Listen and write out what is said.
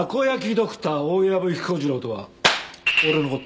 ドクター大藪彦次郎とは俺のこった！